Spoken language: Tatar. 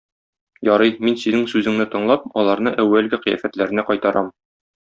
Ярый, мин синең сүзеңне тыңлап, аларны әүвәлге кыяфәтләренә кайтарам.